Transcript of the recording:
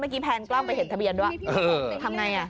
เมื่อกี้แพนกล้องไปเห็นทะเบียนด้วย